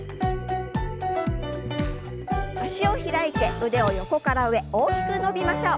脚を開いて腕を横から上大きく伸びましょう。